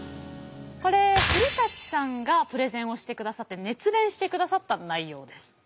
これ古さんがプレゼンをしてくださって熱弁してくださった内容です。